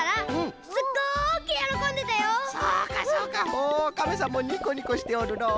おカメさんもニコニコしておるのう。